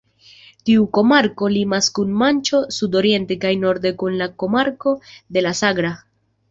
Tiu komarko limas kun Manĉo sudoriente kaj norde kun la komarko de la Sagra.